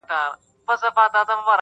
دادی حالاتو سره جنگ کوم لگيا يمه زه